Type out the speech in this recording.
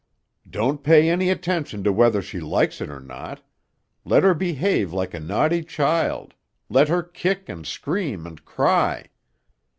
Don't pay any attention to whether she likes it or not. Let her behave like a naughty child, let her kick and scream and cry.